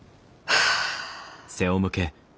はあ。